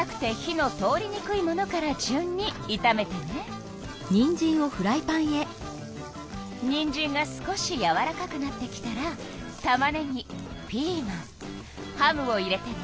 かたくてにんじんが少しやわらかくなってきたらたまねぎピーマンハムを入れてね。